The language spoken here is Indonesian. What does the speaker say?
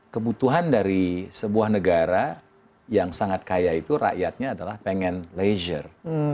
kebutuhan dari sebuah negara yang sangat kaya itu rakyatnya adalah pengen leisure